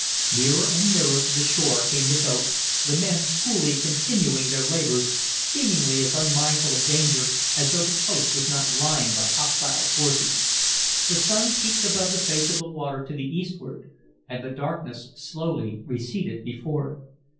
Nearer and nearer to the shore came the boat, the men coolly continuing their labors, seemingly as unmindful of danger as though the coast was not lined by hostile forces. The sun peeped above the face of the water to the eastward, and the darkness slowly receded before it.